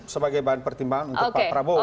sebagai bahan pertimbangan untuk pak prabowo